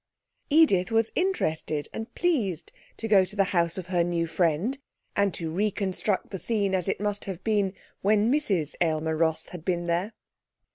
Edith was interested and pleased to go to the house of her new friend and to reconstruct the scene as it must have been when Mrs Aylmer Ross had been there.